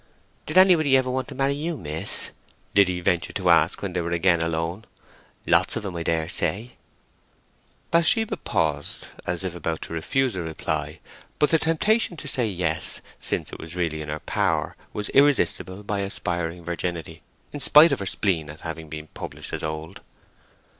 "Did anybody ever want to marry you miss?" Liddy ventured to ask when they were again alone. "Lots of 'em, I daresay?" Bathsheba paused, as if about to refuse a reply, but the temptation to say yes, since it was really in her power was irresistible by aspiring virginity, in spite of her spleen at having been published as old.